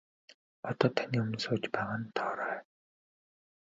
Одоо таны өмнө сууж байгаа нь Тоорой.